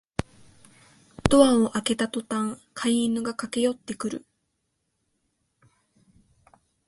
ドアを開けたとたん飼い犬が駆けよってくる